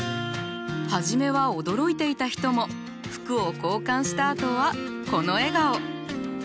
初めは驚いていた人も服を交換したあとはこの笑顔。